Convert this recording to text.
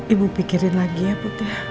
ibu pikirin lagi ya put ya